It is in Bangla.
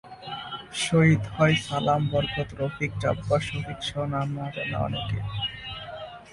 শহিদ হয় সালাম, বরকত, রফিক, জব্বার, শফিকসহ নাম না জানা অনেকে।